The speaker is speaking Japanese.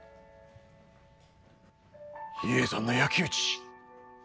比叡山の焼き打ち。